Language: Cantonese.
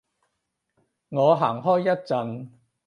我行開一陣